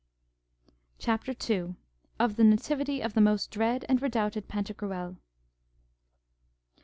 Chapter 2.II. Of the nativity of the most dread and redoubted Pantagruel.